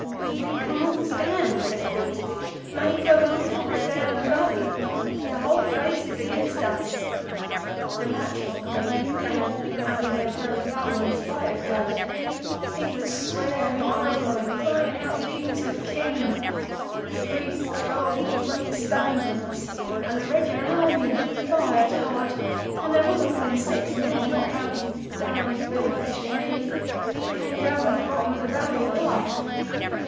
"'We can't stand,' says Billy Fish. 'Make a run for it down the valley! The whole place is against us.' The matchlock men ran, and we went down the valley in spite of Dravot's protestations. He was swearing horribly and crying out that he was a King. The priests rolled great stones on us, and the regular Army fired hard, and there wasn't more than six men, not counting Dan, Billy Fish, and Me, that came down to the bottom of the valley alive.